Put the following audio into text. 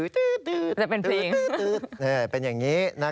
จะเป็นพลิง